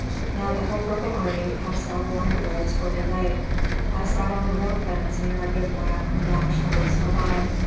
Now the whole Rebel army passed out along the roads where we lay. I sat on a rail fence near our bivouac and watched the host go by.